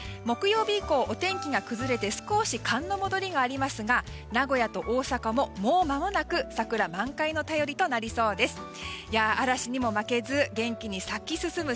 木曜日以降、お天気が崩れて少し寒の戻りがありますが名古屋と大阪ももうまもなく桜満開の便りとなりそうです。